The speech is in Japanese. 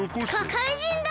かかいじんだ！